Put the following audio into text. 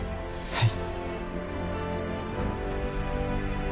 はい！